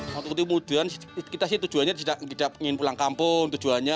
waktu itu kemudian kita sih tujuannya tidak ingin pulang kampung tujuannya